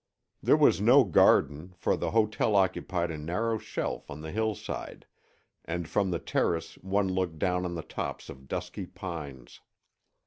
There was no garden, for the hotel occupied a narrow shelf on the hillside, and from the terrace one looked down on the tops of dusky pines.